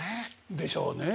でしょうねえ。